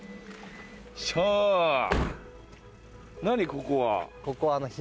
ここは。